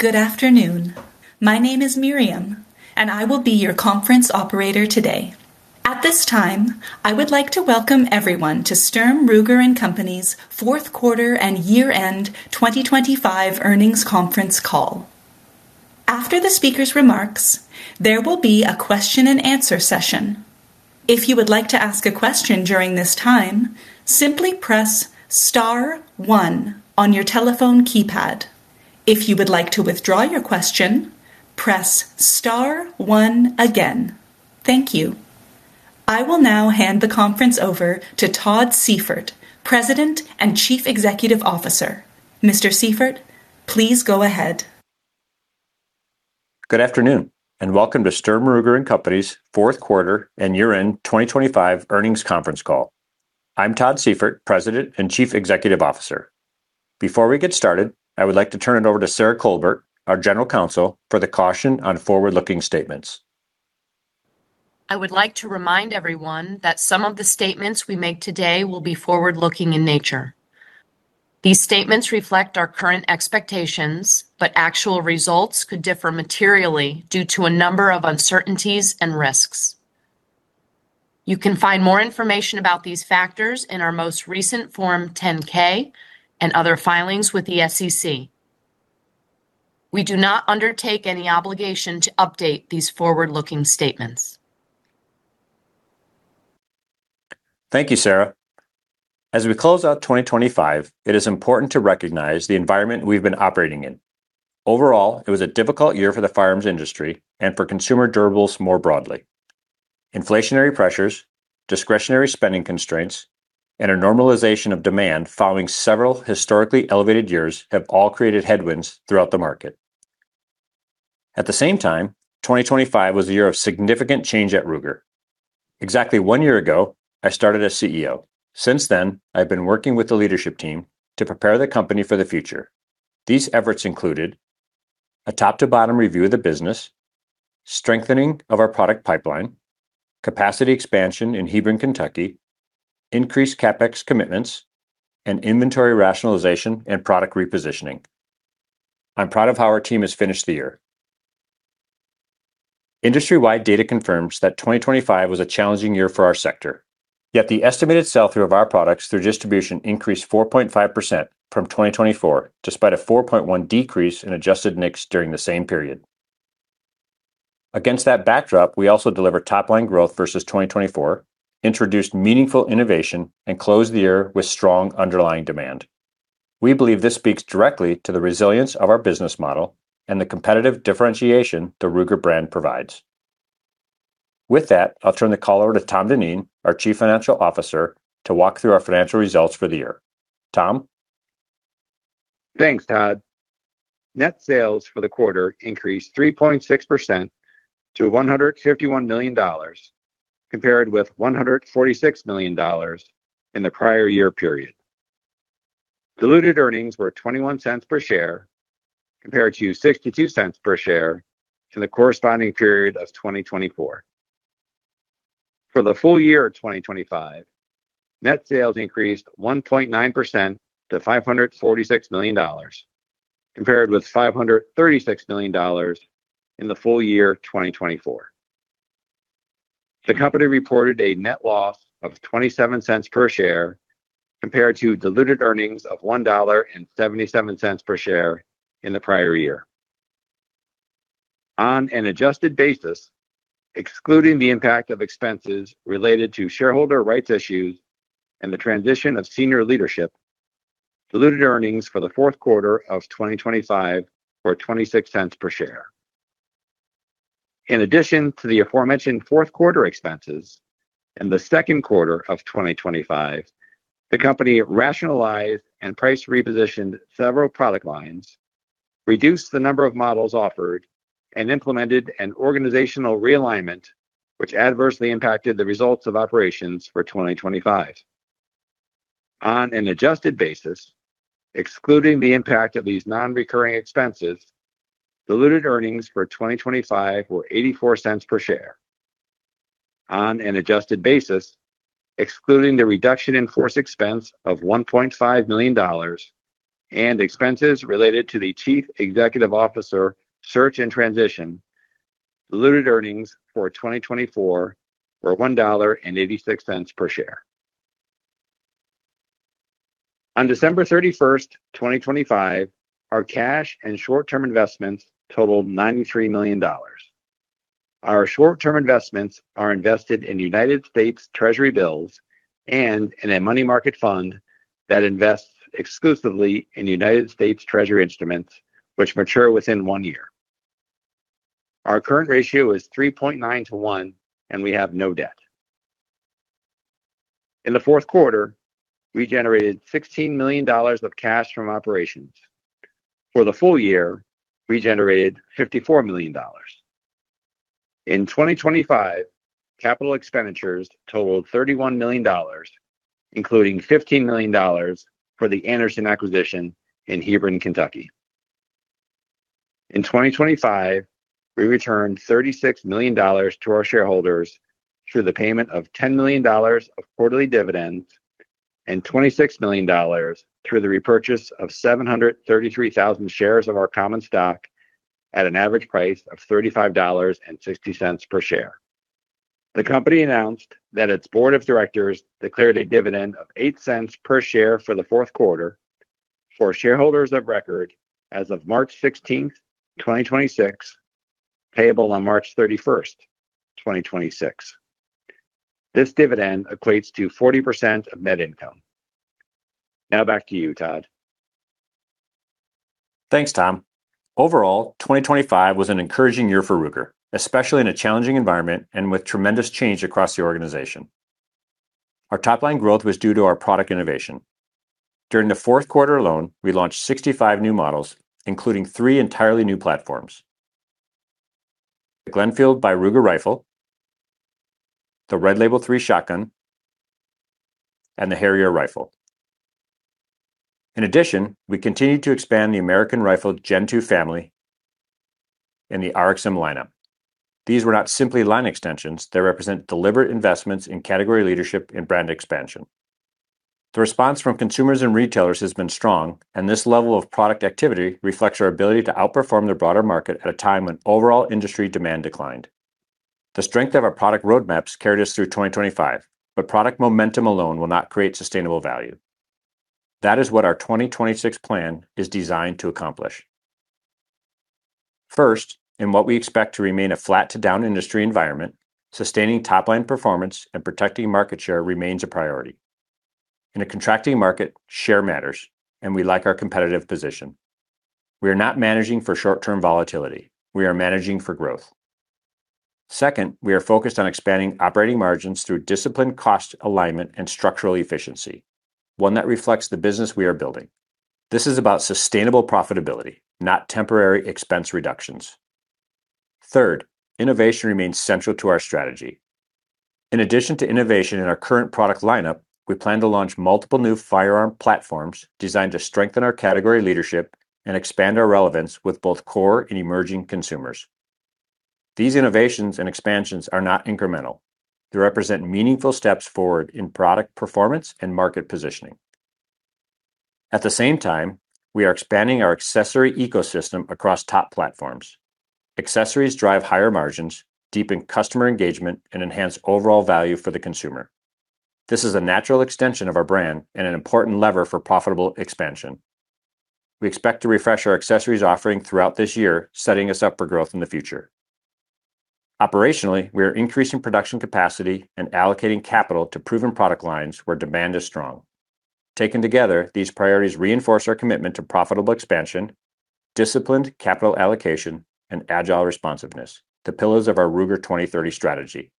Good afternoon. My name is Miriam, and I will be your conference operator today. At this time, I would like to welcome everyone to Sturm, Ruger & Company's fourth quarter and year-end 2025 earnings conference call. After the speaker's remarks, there will be a question and answer session. If you would like to ask a question during this time, simply press star one on your telephone keypad. If you would like to withdraw your question, press star one again. Thank you. I will now hand the conference over to Todd Seyfert, President and Chief Executive Officer. Mr. Seifert, please go ahead. Good afternoon. Welcome to Sturm, Ruger & Company's fourth quarter and year-end 2025 earnings conference call. I'm Todd Seyfert, President and Chief Executive Officer. Before we get started, I would like to turn it over to Sarah Colbert, our General Counsel, for the caution on forward-looking statements. I would like to remind everyone that some of the statements we make today will be forward-looking in nature. These statements reflect our current expectations, but actual results could differ materially due to a number of uncertainties and risks. You can find more information about these factors in our most recent Form 10-K and other filings with the SEC. We do not undertake any obligation to update these forward-looking statements. Thank you, Sarah. As we close out 2025, it is important to recognize the environment we've been operating in. Overall, it was a difficult year for the firearms industry and for consumer durables more broadly. Inflationary pressures, discretionary spending constraints, and a normalization of demand following several historically elevated years have all created headwinds throughout the market. At the same time, 2025 was a year of significant change at Ruger. Exactly one year ago, I started as CEO. Since then, I've been working with the leadership team to prepare the company for the future. These efforts included a top-to-bottom review of the business, strengthening of our product pipeline, capacity expansion in Hebron, Kentucky, increased CapEx commitments, and inventory rationalization and product repositioning. I'm proud of how our team has finished the year. Industry-wide data confirms that 2025 was a challenging year for our sector, yet the estimated sell-through of our products through distribution increased 4.5% from 2024, despite a 4.1% decrease in adjusted NICS during the same period. Against that backdrop, we also delivered top-line growth versus 2024, introduced meaningful innovation, and closed the year with strong underlying demand. We believe this speaks directly to the resilience of our business model and the competitive differentiation the Ruger brand provides. With that, I'll turn the call over to Tom Dineen, our Chief Financial Officer, to walk through our financial results for the year. Tom. Thanks, Todd. Net sales for the quarter increased 3.6% to $151 million, compared with $146 million in the prior year period. Diluted earnings were $0.21 per share, compared to $0.62 per share in the corresponding period of 2024. For the full year of 2025, net sales increased 1.9% to $546 million, compared with $536 million in the full year of 2024. The company reported a net loss of $0.27 per share, compared to diluted earnings of $1.77 per share in the prior year. On an adjusted basis, excluding the impact of expenses related to shareholder rights issues and the transition of senior leadership, diluted earnings for the fourth quarter of 2025 were $0.26 per share. In addition to the aforementioned fourth quarter expenses, in the second quarter of 2025, the company rationalized and price repositioned several product lines, reduced the number of models offered, and implemented an organizational realignment which adversely impacted the results of operations for 2025. On an adjusted basis, excluding the impact of these non-recurring expenses, diluted earnings for 2025 were $0.84 per share. On an adjusted basis, excluding the reduction in force expense of $1.5 million and expenses related to the Chief Executive Officer search and transition, diluted earnings for 2024 were $1.86 per share. On December 31st, 2025, our cash and short-term investments totaled $93 million. Our short-term investments are invested in United States Treasury bills and in a money market fund that invests exclusively in United States Treasury instruments which mature within one year. Our current ratio is 3.9 to 1, and we have no debt. In the fourth quarter, we generated $16 million of cash from operations. For the full year, we generated $54 million. In 2025, capital expenditures totaled $31 million, including $15 million for the Anderson acquisition in Hebron, Kentucky. In 2025, we returned $36 million to our shareholders through the payment of $10 million of quarterly dividends. $26 million through the repurchase of 733,000 shares of our common stock at an average price of $35.60 per share. The company announced that its board of directors declared a dividend of $0.08 per share for the fourth quarter for shareholders of record as of March 16th, 2026, payable on March 31st, 2026. This dividend equates to 40% of net income. Now back to you, Todd. Thanks, Tom. Overall, 2025 was an encouraging year for Ruger, especially in a challenging environment and with tremendous change across the organization. Our top-line growth was due to our product innovation. During the fourth quarter alone, we launched 65 new models, including three entirely new platforms: the Glenfield by Ruger rifle, the Red Label III shotgun, and the Harrier rifle. In addition, we continued to expand the American Rifle Gen 2 family and the RXM lineup. These were not simply line extensions. They represent deliberate investments in category leadership and brand expansion. The response from consumers and retailers has been strong, and this level of product activity reflects our ability to outperform the broader market at a time when overall industry demand declined. The strength of our product roadmaps carried us through 2025. Product momentum alone will not create sustainable value. That is what our 2026 plan is designed to accomplish. First, in what we expect to remain a flat-to-down industry environment, sustaining top-line performance and protecting market share remains a priority. In a contracting market, share matters, and we like our competitive position. We are not managing for short-term volatility. We are managing for growth. Second, we are focused on expanding operating margins through disciplined cost alignment and structural efficiency, one that reflects the business we are building. This is about sustainable profitability, not temporary expense reductions. Third, innovation remains central to our strategy. In addition to innovation in our current product lineup, we plan to launch multiple new firearm platforms designed to strengthen our category leadership and expand our relevance with both core and emerging consumers. These innovations and expansions are not incremental. They represent meaningful steps forward in product performance and market positioning. At the same time, we are expanding our accessory ecosystem across top platforms. Accessories drive higher margins, deepen customer engagement, and enhance overall value for the consumer. This is a natural extension of our brand and an important lever for profitable expansion. We expect to refresh our accessories offering throughout this year, setting us up for growth in the future. Operationally, we are increasing production capacity and allocating capital to proven product lines where demand is strong. Taken together, these priorities reinforce our commitment to profitable expansion, disciplined capital allocation, and agile responsiveness, the pillars of our Ruger 2030 strategy.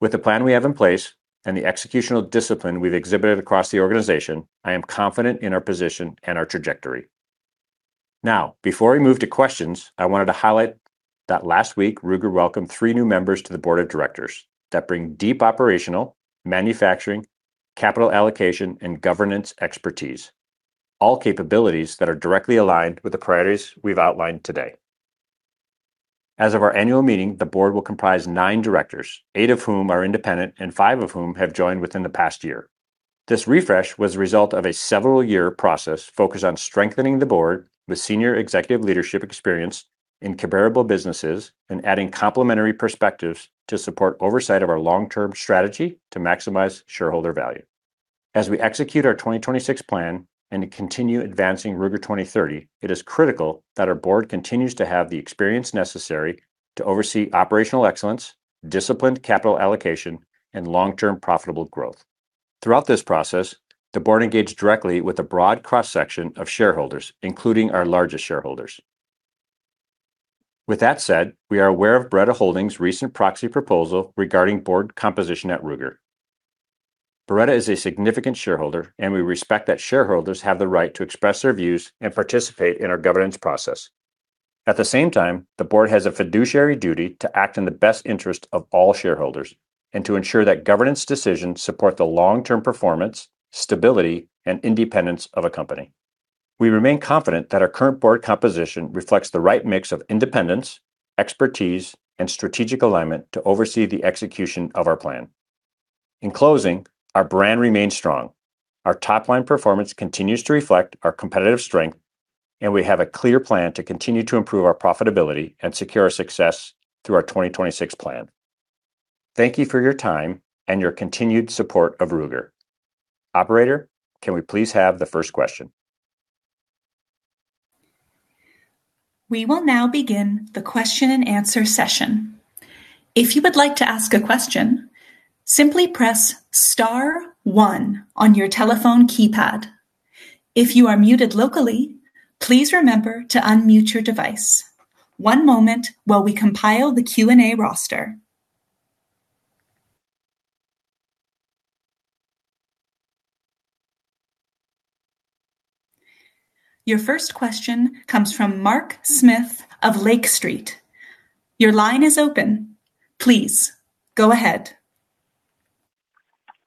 With the plan we have in place and the executional discipline we've exhibited across the organization, I am confident in our position and our trajectory. Before we move to questions, I wanted to highlight that last week, Ruger welcomed three new members to the board of directors that bring deep operational, manufacturing, capital allocation, and governance expertise, all capabilities that are directly aligned with the priorities we've outlined today. As of our annual meeting, the board will comprise nine directors, eight of whom are independent and five of whom have joined within the past year. This refresh was a result of a several-year process focused on strengthening the board with senior executive leadership experience in comparable businesses and adding complementary perspectives to support oversight of our long-term strategy to maximize shareholder value. We execute our 2026 plan and continue advancing Ruger 2030, it is critical that our board continues to have the experience necessary to oversee operational excellence, disciplined capital allocation, and long-term profitable growth. Throughout this process, the board engaged directly with a broad cross-section of shareholders, including our largest shareholders. With that said, we are aware of Beretta Holding's recent proxy proposal regarding board composition at Ruger. Beretta is a significant shareholder, and we respect that shareholders have the right to express their views and participate in our governance process. At the same time, the board has a fiduciary duty to act in the best interest of all shareholders and to ensure that governance decisions support the long-term performance, stability, and independence of a company. We remain confident that our current board composition reflects the right mix of independence, expertise, and strategic alignment to oversee the execution of our plan. In closing, our brand remains strong. Our top-line performance continues to reflect our competitive strength. We have a clear plan to continue to improve our profitability and secure our success through our 2026 plan. Thank you for your time and your continued support of Ruger. Operator, can we please have the first question? We will now begin the question-and-answer session. If you would like to ask a question, simply press star one on your telephone keypad. If you are muted locally, please remember to unmute your device. One moment while we compile the Q&A roster. Your first question comes from Mark Smith of Lake Street. Your line is open. Please go ahead.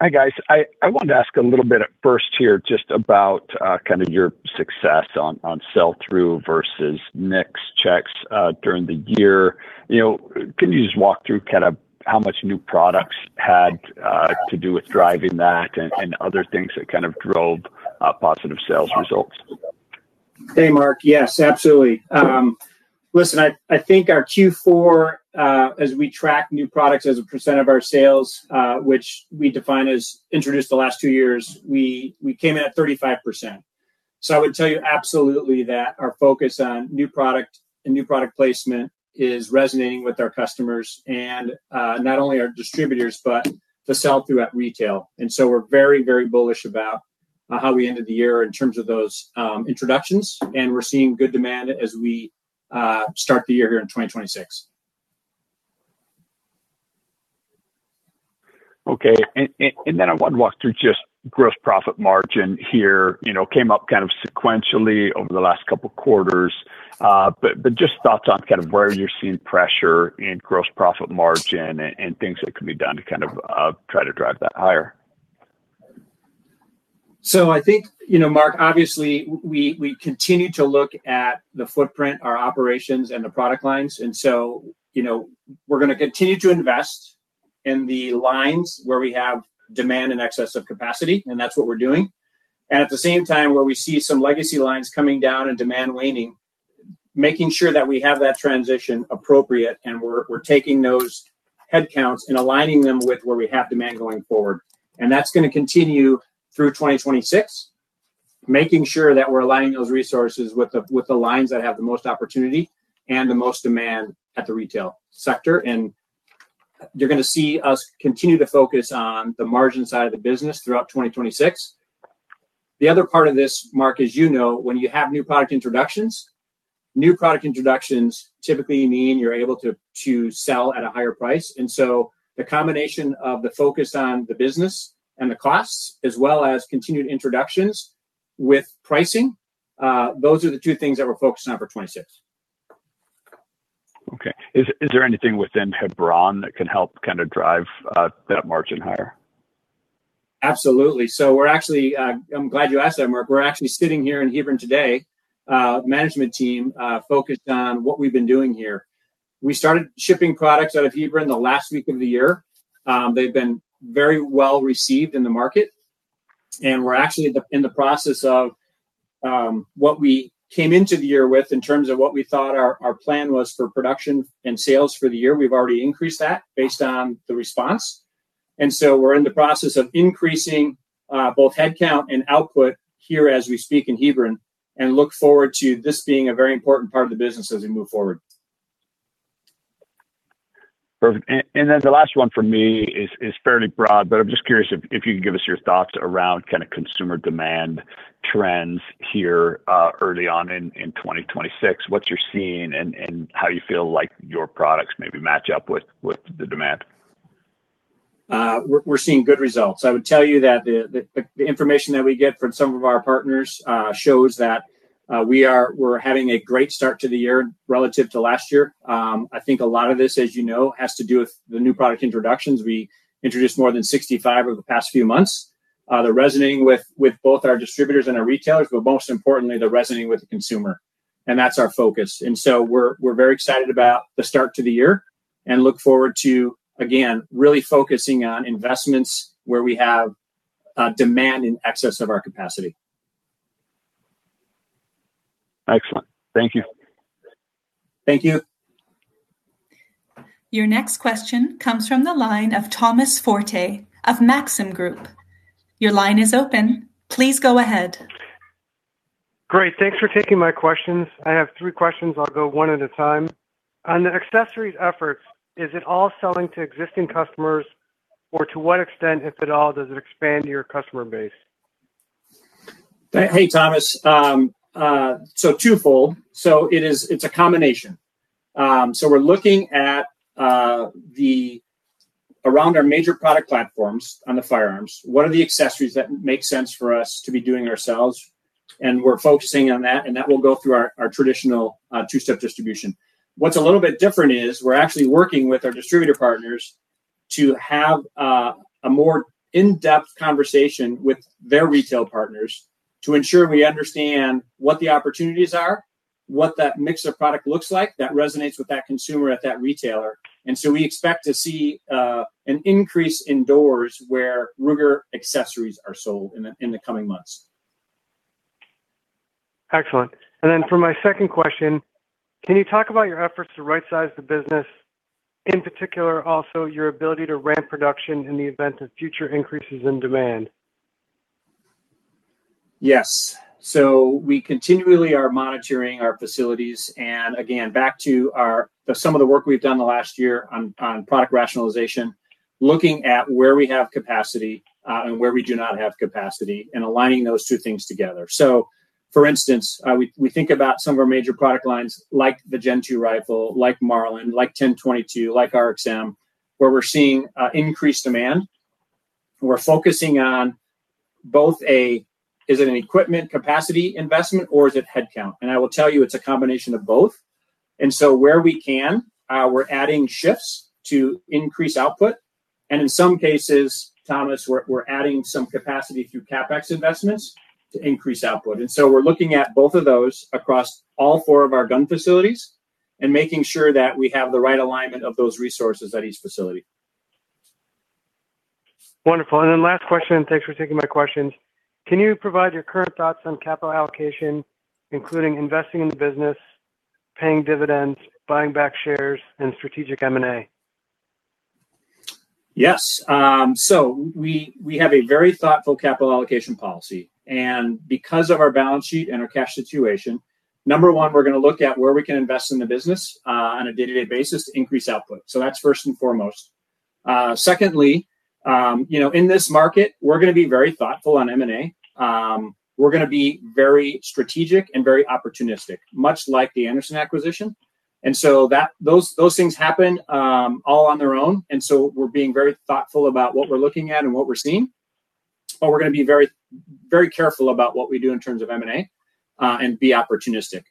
Hi, guys. I wanted to ask a little bit at first here just about kind of your success on sell-through versus NICS checks during the year. You know, can you just walk through kind of how much new products had to do with driving that and other things that kind of drove positive sales results? Hey, Mark. Yes, absolutely. Listen, I think our Q4, as we track new products as a percent of our sales, which we define as introduced the last two years, we came in at 35%. I would tell you absolutely that our focus on new product and new product placement is resonating with our customers and not only our distributors, but the sell-through at retail. We're very bullish about how we ended the year in terms of those introductions, and we're seeing good demand as we start the year here in 2026. Okay. I want to walk through just gross profit margin here. You know, came up kind of sequentially over the last couple of quarters. Just thoughts on kind of where you're seeing pressure in gross profit margin and things that can be done to kind of try to drive that higher. I think, you know, Mark, obviously we continue to look at the footprint, our operations, and the product lines. You know, we're gonna continue to invest in the lines where we have demand in excess of capacity, and that's what we're doing. At the same time, where we see some legacy lines coming down and demand waning, making sure that we have that transition appropriate, and we're taking those headcounts and aligning them with where we have demand going forward. That's gonna continue through 2026, making sure that we're aligning those resources with the lines that have the most opportunity and the most demand at the retail sector. You're gonna see us continue to focus on the margin side of the business throughout 2026. The other part of this, Mark, as you know, when you have new product introductions, new product introductions typically mean you're able to sell at a higher price. The combination of the focus on the business and the costs as well as continued introductions with pricing, those are the two things that we're focused on for 2026. Okay. Is there anything within Hebron that can help kind of drive that margin higher? Absolutely. I'm glad you asked that, Mark. We're actually sitting here in Hebron today, management team, focused on what we've been doing here. We started shipping products out of Hebron the last week of the year. They've been very well-received in the market, and we're actually in the process of what we came into the year with in terms of what we thought our plan was for production and sales for the year. We've already increased that based on the response. We're in the process of increasing both headcount and output here as we speak in Hebron and look forward to this being a very important part of the business as we move forward. Perfect. Then the last one from me is fairly broad, but I'm just curious if you can give us your thoughts around kind of consumer demand trends here, early on in 2026. What you're seeing and how you feel like your products maybe match up with the demand. We're seeing good results. I would tell you that the information that we get from some of our partners shows that we're having a great start to the year relative to last year. I think a lot of this, as you know, has to do with the new product introductions. We introduced more than 65 over the past few months. They're resonating with both our distributors and our retailers, but most importantly, they're resonating with the consumer, and that's our focus. We're very excited about the start to the year and look forward to, again, really focusing on investments where we have demand in excess of our capacity. Excellent. Thank you. Thank you. Your next question comes from the line of Thomas Forte of Maxim Group. Your line is open. Please go ahead. Great. Thanks for taking my questions. I have three questions. I'll go one at a time. On the accessories efforts, is it all selling to existing customers, or to what extent, if at all, does it expand your customer base? Hey, Thomas. Twofold. It's a combination. We're looking at around our major product platforms on the firearms, what are the accessories that make sense for us to be doing ourselves? We're focusing on that, and that will go through our traditional two-step distribution. What's a little bit different is we're actually working with our distributor partners to have a more in-depth conversation with their retail partners to ensure we understand what the opportunities are, what that mix of product looks like that resonates with that consumer at that retailer. We expect to see an increase in doors where Ruger accessories are sold in the coming months. Excellent. For my second question, can you talk about your efforts to rightsize the business, in particular also your ability to ramp production in the event of future increases in demand? Yes. We continually are monitoring our facilities, and again, back to our the sum of the work we've done the last year on product rationalization, looking at where we have capacity, and where we do not have capacity and aligning those two things together. For instance, we think about some of our major product lines like the Gen Two rifle, like Marlin, like 10/22, like RXM, where we're seeing increased demand. We're focusing on both, is it an equipment capacity investment or is it headcount? I will tell you it's a combination of both. Where we can, we're adding shifts to increase output, and in some cases, Thomas, we're adding some capacity through CapEx investments to increase output. We're looking at both of those across all four of our gun facilities and making sure that we have the right alignment of those resources at each facility. Wonderful. Last question, thanks for taking my questions. Can you provide your current thoughts on capital allocation, including investing in the business, paying dividends, buying back shares, and strategic M&A? Yes. We, we have a very thoughtful capital allocation policy. Because of our balance sheet and our cash situation, number one, we're gonna look at where we can invest in the business on a day-to-day basis to increase output. That's first and foremost. Secondly, you know, in this market, we're gonna be very thoughtful on M&A. We're gonna be very strategic and very opportunistic, much like the Anderson acquisition. Those things happen all on their own, and so we're being very thoughtful about what we're looking at and what we're seeing. We're gonna be very, very careful about what we do in terms of M&A and be opportunistic.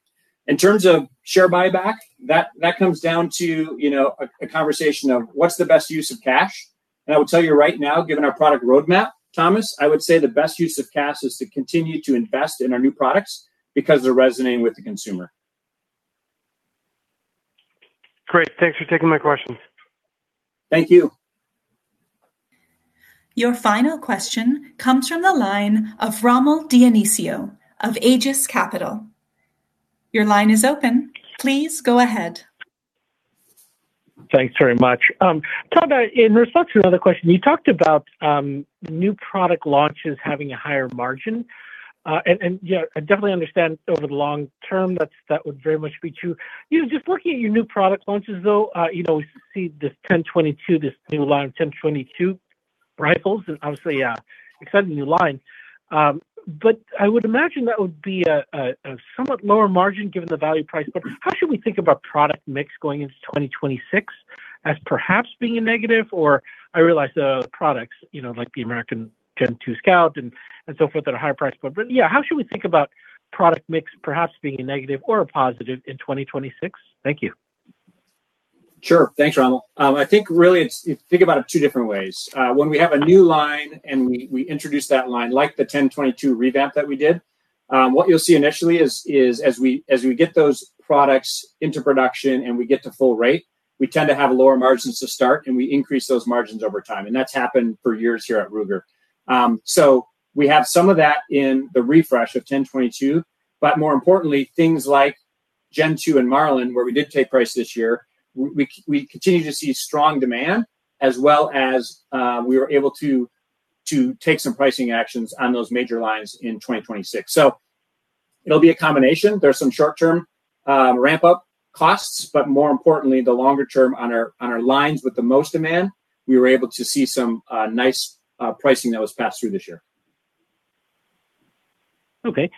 In terms of share buyback, that comes down to, you know, a conversation of what's the best use of cash. I will tell you right now, given our product roadmap, Thomas, I would say the best use of cash is to continue to invest in our new products because they're resonating with the consumer. Great. Thanks for taking my questions. Thank you. Your final question comes from the line of Rommel Dionisio of Aegis Capital. Your line is open. Please go ahead. Thanks very much. Todd, in response to another question, you talked about new product launches having a higher margin. You know, I definitely understand over the long term that would very much be true. You know, just looking at your new product launches, though, you know, we see this 10/22, this new line of 10/22 rifles and obviously, exciting new line. I would imagine that would be a somewhat lower margin given the value price. How should we think about product mix going into 2026 as perhaps being a negative? I realize the products, you know, like the American Gen Two Scout and so forth that are higher priced. Yeah, how should we think about product mix perhaps being a negative or a positive in 2026? Thank you. Sure. Thanks, Rommel. Think about it two different ways. When we have a new line and we introduce that line like the 10/22 revamp that we did, what you'll see initially is as we get those products into production and we get to full rate, we tend to have lower margins to start, and we increase those margins over time, and that's happened for years here at Ruger. We have some of that in the refresh of 10/22, but more importantly, things like Gen Two and Marlin, where we did take price this year, we continue to see strong demand as well as we were able to take some pricing actions on those major lines in 2026. It'll be a combination. There's some short-term ramp-up costs, but more importantly, the longer term on our, on our lines with the most demand, we were able to see some nice pricing that was passed through this year. Okay.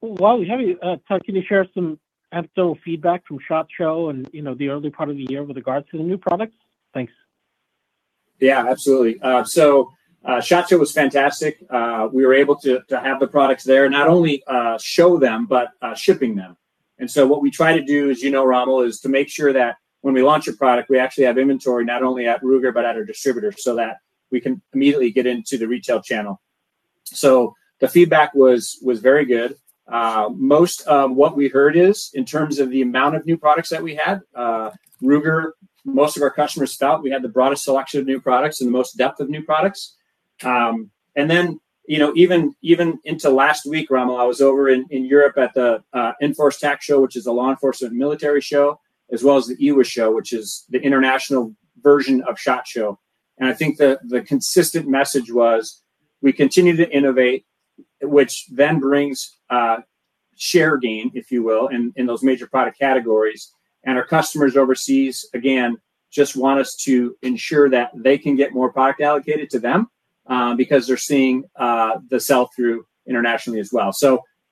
While we have you, Todd, can you share some anecdotal feedback from SHOT Show and, you know, the early part of the year with regards to the new products? Thanks. Yeah, absolutely. SHOT Show was fantastic. We were able to have the products there, not only show them, but shipping them. What we try to do is, you know, Rommel, is to make sure that when we launch a product, we actually have inventory not only at Ruger but at our distributors so that we can immediately get into the retail channel. The feedback was very good. Most of what we heard is, in terms of the amount of new products that we had, Ruger, most of our customers felt we had the broadest selection of new products and the most depth of new products. You know, even into last week, Rommel, I was over in Europe at the Enforce Tac Show, which is a law enforcement and military show, as well as the IWA Show, which is the international version of SHOT Show. I think the consistent message was we continue to innovate, which then brings share gain, if you will, in those major product categories. Our customers overseas, again, just want us to ensure that they can get more product allocated to them, because they're seeing the sell-through internationally as well.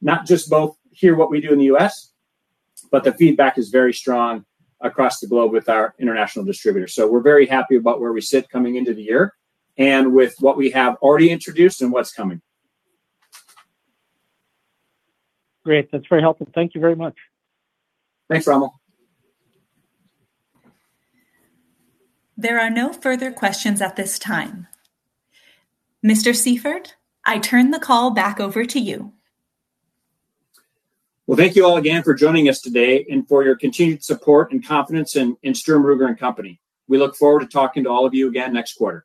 Not just both here what we do in the U.S., but the feedback is very strong across the globe with our international distributors. We're very happy about where we sit coming into the year and with what we have already introduced and what's coming. Great. That's very helpful. Thank you very much. Thanks, Rommel. There are no further questions at this time. Mr. Seyfert, I turn the call back over to you. Well, thank you all again for joining us today and for your continued support and confidence in Sturm, Ruger & Company. We look forward to talking to all of you again next quarter.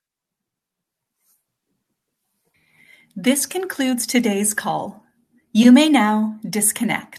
This concludes today's call. You may now disconnect.